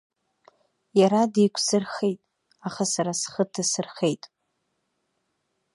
Иара деиқәсырхеит, аха сара схы ҭасырхеит.